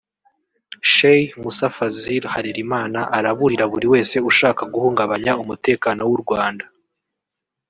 Cheikh Mussa Fasil Harerimana araburira buri wese ushaka guhungabanya umutekano w’u Rwanda